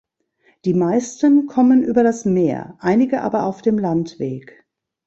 Die meisten kommen über das Meer, einige aber auf dem Landweg.